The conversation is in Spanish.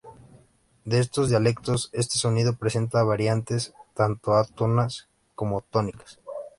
En estos dialectos, este sonido presenta variantes tanto átonas como tónicas.